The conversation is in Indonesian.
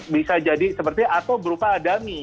bisa jadi seperti atau berupa adami